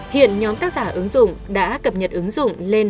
hiện nhóm tác giả ứng dụng đã cập nhật ứng dụng lên